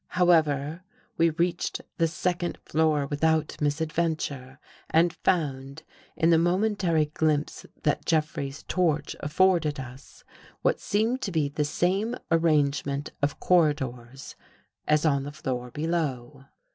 However, we reached the second floor without misadventure and found, in the momentary glimpse that Jeffrey's torch afforded us, what seemed to be the same arrangement of corri dors as on the floor below.